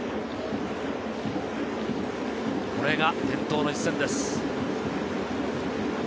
これが伝統の一戦です。